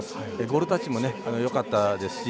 ゴールタッチもねよかったですし